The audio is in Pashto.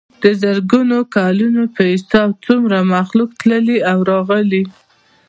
دَ زرګونو کلونو پۀ حساب څومره مخلوق تلي راغلي